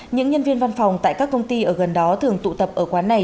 những nhân viên văn phòng tại các công ty ở gần đó thường tụ tập ở quán này